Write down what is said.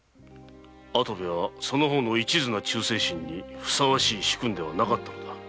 跡部はその方の一途な忠誠心にふさわしい主君ではなかったのだ。